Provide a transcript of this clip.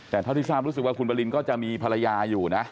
แต่เท่าที่ทราบรู้สึกว่าคุณบรินก็จะมีภรรยาอยู่นะ